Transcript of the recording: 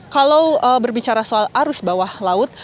kalau berbicara soal arus bawah laut